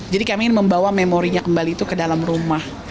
jadi kami ingin membawa memorinya kembali ke dalam rumah